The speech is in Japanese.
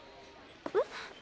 えっ？